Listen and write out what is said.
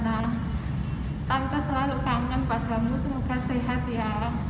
nah tante selalu kangen padamu semoga sehat ya